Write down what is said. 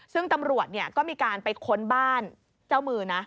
ซึ่งตำรวจก็มีการไปค้นบ้านเจ้ามือนะ